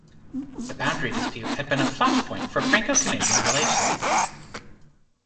The boundary dispute had been a flash point for Franco-Canadian relations.